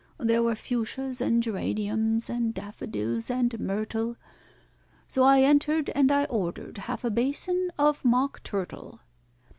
There were fuchsias and geraniums, and daffodils and myrtle, So I entered, and I ordered half a basin of mock turtle.